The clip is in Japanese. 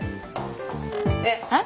えっ？えっ？